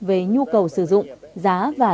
về nhu cầu sử dụng giá và